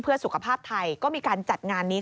เพื่อสุขภาพไทยก็มีการจัดงานนี้